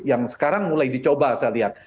yang sekarang mulai dicoba saya lihat